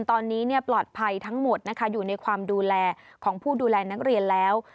ตอนนี้ปลอดภัยทั้งหมดนะคะอยู่ในความดูแลของผู้ดูแลนักเรียนแล้ว